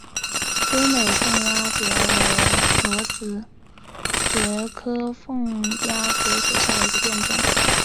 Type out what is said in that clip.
优美凤丫蕨为裸子蕨科凤丫蕨属下的一个变种。